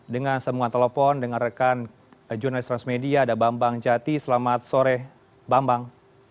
dengan sambungan telepon dengan rekan jurnalis transmedia ada bambang jati selamat sore bambang